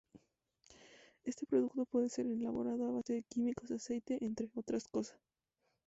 Este producto puede ser elaborado a base de químicos, aceites, entre otras cosas.